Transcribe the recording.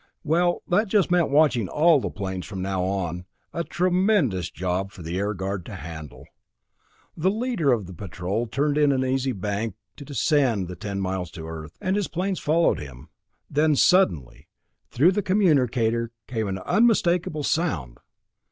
Well, that just meant watching all the planes from now on, a tremendous job for the Air Guard to handle. The leader of the patrol turned in an easy bank to descend the ten miles to Earth, and his planes followed him. Then suddenly through the communicator came an unmistakable sound.